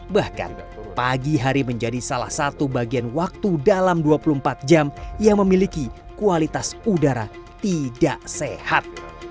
bahkan pagi hari menjadi salah satu bagian waktu dalam dua puluh empat jam yang memiliki kualitas udara tidak sehat